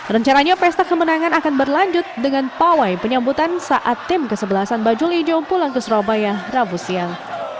rencananya pesta kemenangan akan berlanjut dengan pawai penyambutan saat tim kesebelasan bajul ijo pulang ke surabaya rabu siang